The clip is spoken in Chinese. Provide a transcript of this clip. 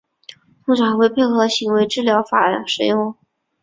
通常还会配合行为治疗法使用。